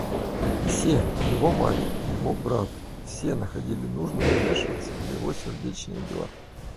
Все, его мать, его брат, все находили нужным вмешиваться в его сердечные дела.